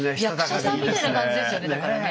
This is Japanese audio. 役者さんみたいな感じですよねだからね